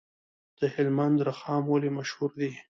د هلمند رخام ولې مشهور دی؟